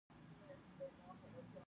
صداقت څنګه باور جوړوي؟